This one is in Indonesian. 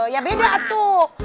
ya beda tuh